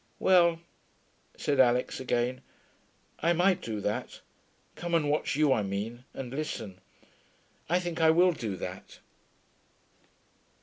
'Well,' said Alix again. 'I might do that. Come and watch you, I mean, and listen. I think I will do that.'